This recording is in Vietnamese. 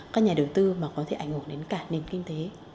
các nhà đầu tư mà có thể ảnh hưởng đến cả nền kinh tế